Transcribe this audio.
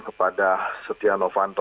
kepada setia novanto